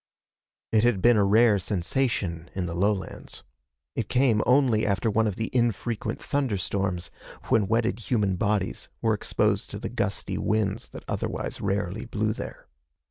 It had been a rare sensation in the lowlands. It came only after one of the infrequent thunderstorms, when wetted human bodies were exposed to the gusty winds that otherwise rarely blew there.